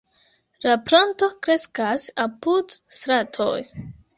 La planto kreskas apud stratoj.